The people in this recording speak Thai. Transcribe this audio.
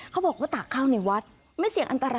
เขาบอกว่ามันตากเข้าในวัดไม่เสียอันตรายนะค่ะ